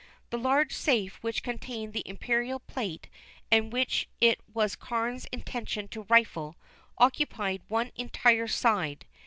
The large safe which contained the Imperial plate, and which it was Carne's intention to rifle, occupied one entire side.